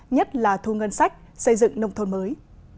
nhất là thu ngân sách xây dựng nông thôn mới